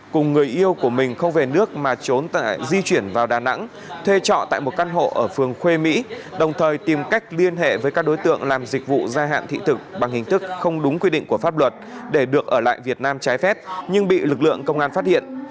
cùng người yêu của mình không về nước mà trốn di chuyển vào đà nẵng thuê trọ tại một căn hộ ở phường khuê mỹ đồng thời tìm cách liên hệ với các đối tượng làm dịch vụ gia hạn thị thực bằng hình thức không đúng quy định của pháp luật để được ở lại việt nam trái phép nhưng bị lực lượng công an phát hiện